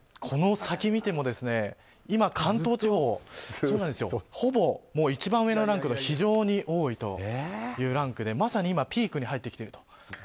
この先を見ても今、関東地方ほぼ一番上のランクの非常に多いというランクでまさに今、ピークに入ってきていると。